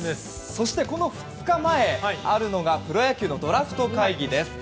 そしてこの２日前にあるのがプロ野球のドラフト会議です。